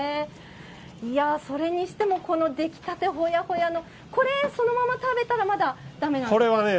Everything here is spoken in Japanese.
それにしてもこの出来たてほやほやのこれ、そのまま食べたらまだ、だめなんですよね？